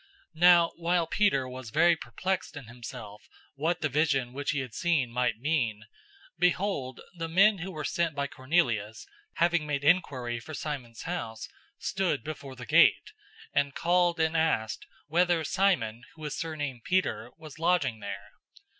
010:017 Now while Peter was very perplexed in himself what the vision which he had seen might mean, behold, the men who were sent by Cornelius, having made inquiry for Simon's house, stood before the gate, 010:018 and called and asked whether Simon, who was surnamed Peter, was lodging there.